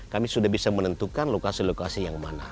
kami sudah bisa menentukan lokasi lokasi yang mana